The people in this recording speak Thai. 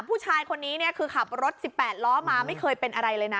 ผู้ชายคนนี้เนี่ยคือขับรถ๑๘ล้อมาไม่เคยเป็นอะไรเลยนะ